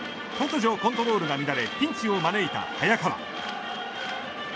突如、コントロールが乱れピンチを招いた早川。